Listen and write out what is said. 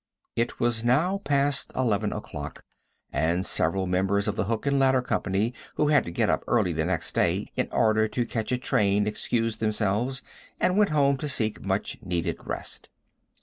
It was now past 11 o'clock, and several of the members of the hook and ladder company who had to get up early the next day in order to catch a train excused themselves and went home to seek much needed rest.